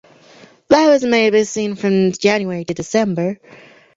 Flowers may be seen from January to December.